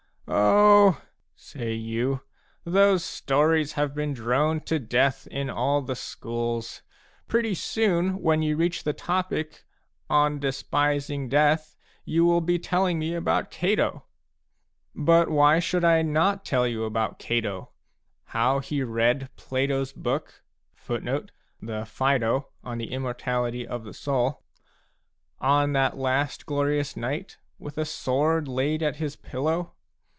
"Oh," say you, "those stories have been droned to death in all the schools ; pretty soon, when you reach the topic * On Despising Death/ you will be telling me about Cato." But why should I not tell you about Cato, how he read Plato's b book on that last glorious night, with a sword laid at his pillow